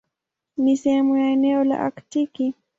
Ni sehemu ya eneo la Aktiki.